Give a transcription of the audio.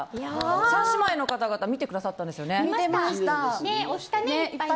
３姉妹の方々見てくださったんですよね。